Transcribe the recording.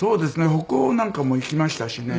北欧なんかも行きましたしね。